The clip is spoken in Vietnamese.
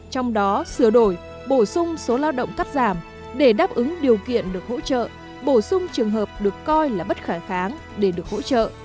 trong đó sửa đổi bổ sung số lao động cắt giảm để đáp ứng điều kiện được hỗ trợ bổ sung trường hợp được coi là bất khả kháng để được hỗ trợ